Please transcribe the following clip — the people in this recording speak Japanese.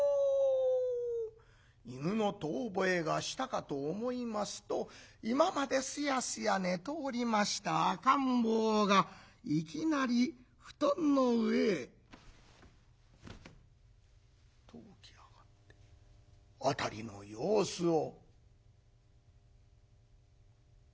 犬の遠ぼえがしたかと思いますと今まですやすや寝ておりました赤ん坊がいきなり布団の上へ。と起き上がって辺りの様子を。